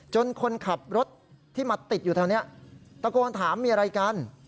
คนขับรถที่มาติดอยู่แถวนี้ตะโกนถามมีอะไรกัน